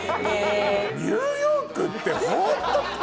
ニューヨークってホント大変ね。